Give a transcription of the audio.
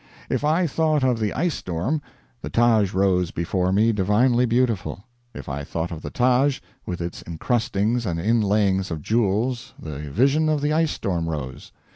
If I thought of the ice storm, the Taj rose before me divinely beautiful; if I thought of the Taj, with its encrustings and inlayings of jewels, the vision of the ice storm rose.